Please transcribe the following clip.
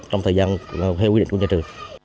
trong thời gian theo quy định của nhà trường